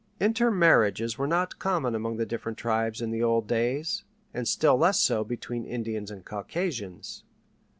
Intermarriages were not common among the different tribes in the old days, and still less so between Indians and Caucasians.